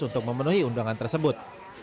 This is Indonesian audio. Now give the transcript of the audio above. untuk memenuhi undangan tersebut